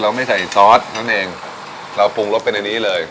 ไม่ใส่ซอสนั่นเองเราปรุงรสเป็นอันนี้เลย